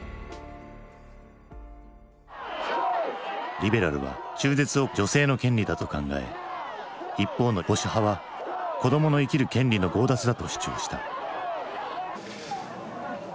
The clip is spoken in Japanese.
リベラルは中絶を女性の権利だと考え一方の保守派は子どもの生きる権利の強奪だと主張した。